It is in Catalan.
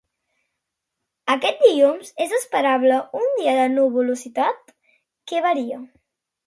Aquest dilluns, és esperable un dia de nuvolositat que varia.